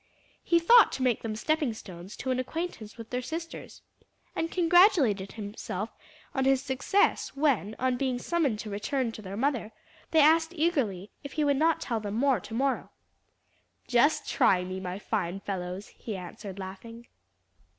He thought to make them stepping stones to an acquaintance with their sisters, and congratulated himself on his success when, on being summoned to return to their mother, they asked eagerly if he would not tell them more to morrow. "Just try me, my fine fellows," he answered, laughing.